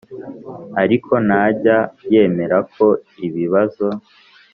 Ariko ntajya yemera ko ibibazo